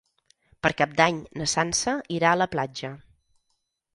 Per Cap d'Any na Sança irà a la platja.